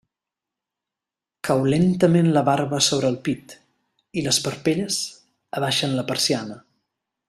Cau lentament la barba sobre el pit i les parpelles abaixen la persiana.